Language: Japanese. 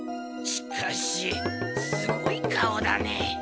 しかしすごい顔だね。